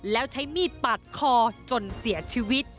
แล้วใช้มีดปาดคอจนเสียชีวิต